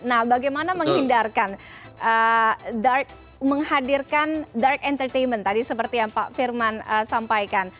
nah bagaimana menghindarkan menghadirkan dark entertainment tadi seperti yang pak firman sampaikan